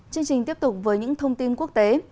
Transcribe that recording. chương trình tiếp tục với những thông tin quốc tế